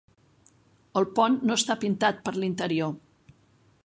El pont no està pintat per l'interior.